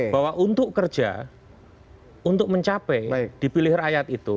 bahwa untuk kerja untuk mencapai di pilih rakyat itu